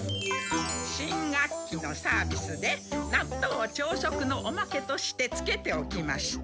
新学期のサービスでなっとうを朝食のおまけとしてつけておきました。